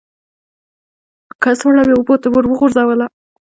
کڅوړه مې اوبو ته ور وغورځوله.